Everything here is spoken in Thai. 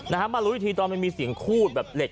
มารู้อีกทีตอนมันมีเสียงคูดแบบเหล็ก